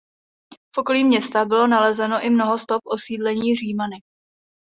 V okolí města bylo nalezeno i mnoho stop osídlení Římany.